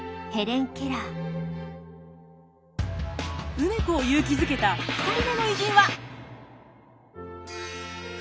梅子を勇気づけた２人目の偉人は。